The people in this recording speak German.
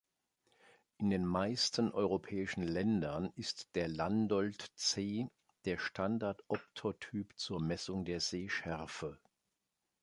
In den meisten europäischen Ländern ist der Landolt C der Standard-Optotyp zur Messung der Sehschärfe.